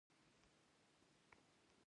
دښتې په اوږده تاریخ کې ذکر شوې.